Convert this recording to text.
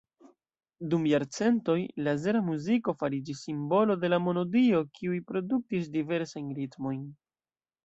Dum jarcentoj, la azera muziko fariĝis simbolo de la monodio, kiuj produktis diversajn ritmojn.